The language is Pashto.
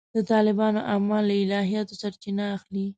د طالبانو اعمال له الهیاتو سرچینه اخلي.